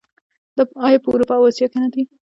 آیا په اروپا او اسیا کې نه دي؟